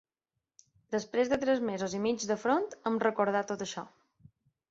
Després de tres mesos i mig de front, em recordà tot això.